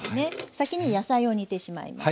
先に野菜を煮てしまいます。